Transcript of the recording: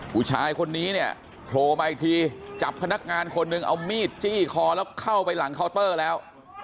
ผู้ชายคนนี้เนี่ยโผล่มาอีกทีจับพนักงานคนหนึ่งเอามีดจี้คอแล้วเข้าไปหลังเคาน์เตอร์แล้ว